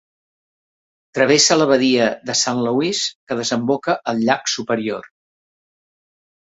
Travessa la badia de Saint Louis que desemboca al llac Superior.